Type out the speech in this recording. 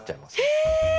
え！